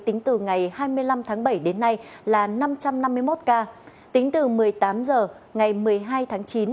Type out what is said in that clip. tính từ ngày hai mươi năm tháng bảy đến nay là năm trăm năm mươi một ca tính từ một mươi tám h ngày một mươi hai tháng chín